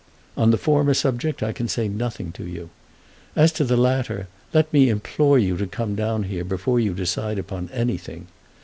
On the former subject I can say nothing to you. As to the latter, let me implore you to come down here before you decide upon anything.